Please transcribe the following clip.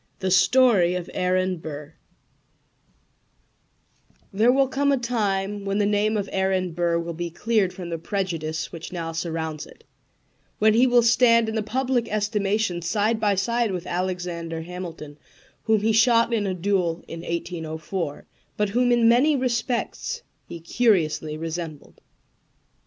THE STORY OF AARON BURR There will come a time when the name of Aaron Burr will be cleared from the prejudice which now surrounds it, when he will stand in the public estimation side by side with Alexander Hamilton, whom he shot in a duel in 1804, but whom in many respects he curiously resembled.